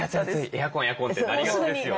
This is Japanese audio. エアコンエアコン！ってなりがちですよね。